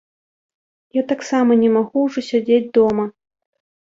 Я таксама не магу ўжо сядзець дома.